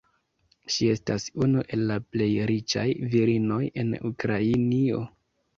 Ŝi estas unu el la plej riĉaj virinoj en Ukrainio.